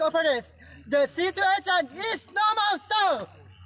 เวลาตั้งแต่๑๒นาทีถึงตี๑๐ถึงตี๑๒